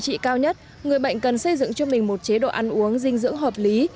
trị cao nhất người bệnh cần xây dựng cho mình một chế độ ăn uống dinh dưỡng hợp lý